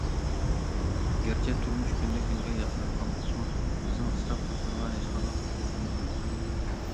گەرچە تۇرمۇش كۈندىن- كۈنگە ياخشىلىنىۋاتقان بولسىمۇ، بىزنىڭ ئىسراپ قىلىشىمىزغا ھېچقانداق ھوقۇقىمىز يوق.